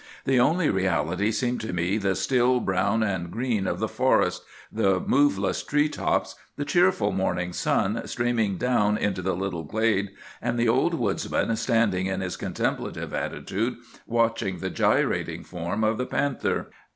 The only reality seemed to me the still brown and green of the forest, the moveless tree tops, the cheerful morning sun streaming down into the little glade, and the old woodsman standing in his contemplative attitude, watching the gyrating form of the panther.